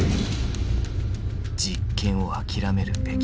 実験を諦めるべき。